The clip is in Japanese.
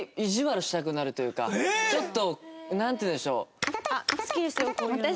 ちょっとなんていうんでしょう。